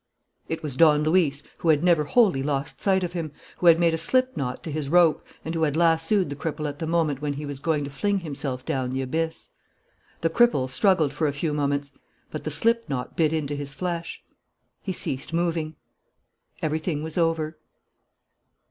It was Don Luis, who had never wholly lost sight of him, who had made a slip knot to his rope and who had lassoed the cripple at the moment when he was going to fling himself down the abyss. The cripple struggled for a few moments. But the slip knot bit into his flesh. He ceased moving. Everything was over.